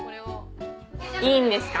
いいんですか？